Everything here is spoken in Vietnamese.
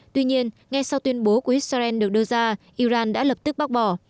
tuy nhiên ngay sau tuyên bố của israel được đưa ra iran đã lập tức bác bỏ